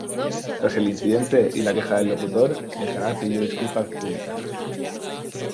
Tras el incidente y la queja del locutor, el canal pidió disculpas públicas.